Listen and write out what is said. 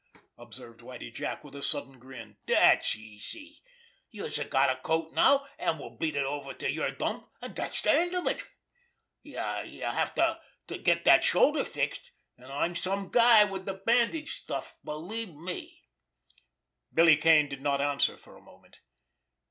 observed Whitie Jack, with a sudden grin. "Dat's easy! Youse have got a coat now, an' we'll beat it over for yer dump, an' dat's de end of it! You have got to get dat shoulder fixed, an' I'm some guy wid de bandage stuff— believe me!" Billy Kane did not answer for a moment.